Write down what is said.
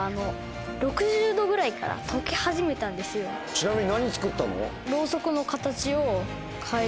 ちなみに。